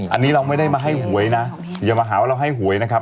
อันนี้เราไม่ได้มาให้หวยนะอย่ามาหาว่าเราให้หวยนะครับ